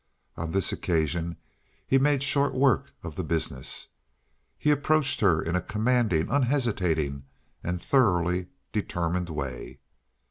On this occasion he made short work of the business. He approached her in a commanding, unhesitating, and thoroughly determined way.